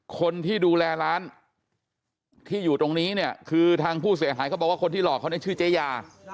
คนที่ดูแลร้านที่อยู่ตรงนี้เนี่ยคือทางผู้เสียหายเขาบอกว่าคนที่หลอกเขาเนี่ยชื่อเจ๊ยา